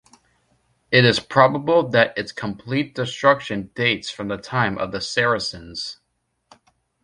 It is probable that its complete destruction dates from the time of the Saracens.